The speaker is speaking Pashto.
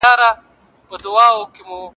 کلی هديره لري